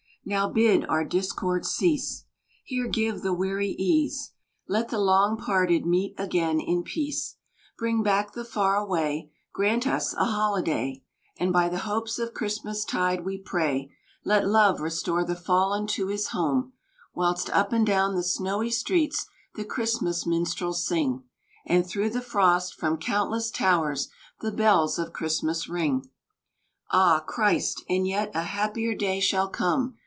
Now bid our discords cease; Here give the weary ease; Let the long parted meet again in peace; Bring back the far away; Grant us a holiday; And by the hopes of Christmas tide we pray Let love restore the fallen to his Home; Whilst up and down the snowy streets the Christmas minstrels sing; And through the frost from countless towers the bells of Christmas ring. Ah, Christ! and yet a happier day shall come!